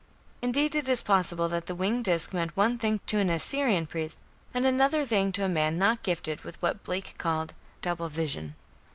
Indeed, it is possible that the winged disc meant one thing to an Assyrian priest, and another thing to a man not gifted with what Blake called "double vision".